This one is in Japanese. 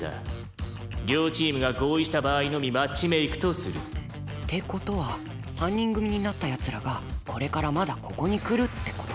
「両チームが合意した場合のみマッチメイクとする」って事は３人組になった奴らがこれからまだここに来るって事？